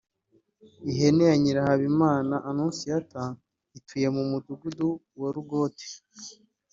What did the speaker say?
Ihene ya Nyirahabimana Annonciata utuye mu mudugudu wa Rugote